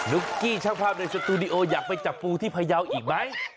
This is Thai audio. ุ๊กกี้ช่างภาพในสตูดิโออยากไปจับปูที่พยาวอีกไหม